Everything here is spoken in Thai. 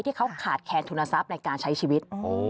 ที่เขาขาดแคนทุนทรัพย์ในการใช้ชีวิต